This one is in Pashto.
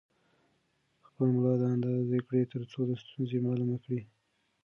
خپل ملا اندازه کړئ ترڅو د ستونزې معلومه کړئ.